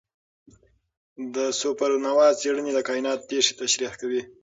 د سوپرنووا څېړنې د کائنات پېښې تشریح کوي.